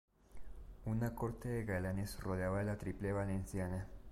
Una corte de galanes rodeaba a la tiple valenciana.